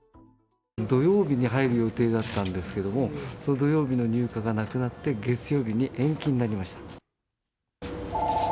土曜日に入る予定だったんですけども、その土曜日の入荷がなくなって、月曜日に延期になりました。